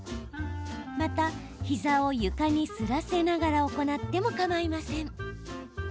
また、膝を床にすらせながら行ってもかまいません。